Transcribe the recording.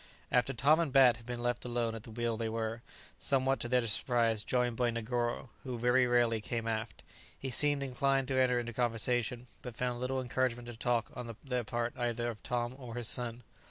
After Tom and Bat had been left alone at the wheel they were, somewhat to their surprise, joined by Negoro, who very rarely came aft. He seemed inclined to enter into conversation, but found little encouragement to talk on the part either of Tom or his son.